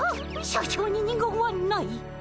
社長に二言はない。